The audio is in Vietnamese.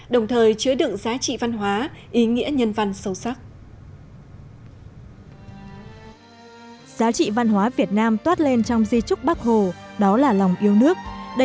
đồng thời chứa đựng giá trị văn hóa ý nghĩa nhân văn sâu sắc